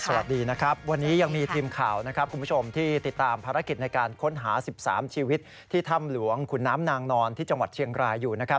สวัสดีนะครับวันนี้ยังมีทีมข่าวนะครับคุณผู้ชมที่ติดตามภารกิจในการค้นหา๑๓ชีวิตที่ถ้ำหลวงขุนน้ำนางนอนที่จังหวัดเชียงรายอยู่นะครับ